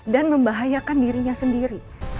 dan membahayakan dirinya sendiri